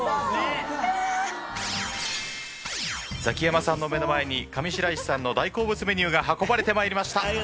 ザキヤマさんの目の前に上白石さんの大好物メニューが運ばれてまいりました。